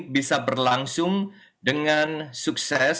bisa berlangsung dengan sukses